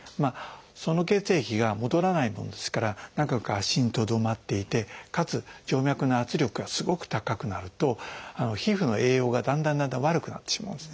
その血液が戻らないもんですから長く足にとどまっていてかつ静脈の圧力がすごく高くなると皮膚の栄養がだんだんだんだん悪くなってしまうんですね。